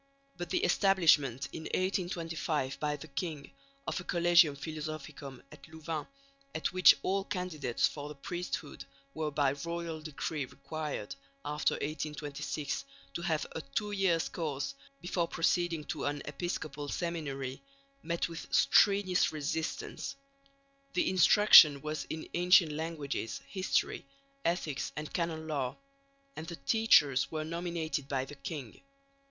But the establishment in 1825 by the king of a Collegium Philosophicum at Louvain, at which all candidates for the priesthood were by royal decree required (after 1826) to have a two years' course before proceeding to an episcopal seminary, met with strenuous resistance. The instruction was in ancient languages, history, ethics and canon law; and the teachers were nominated by the king.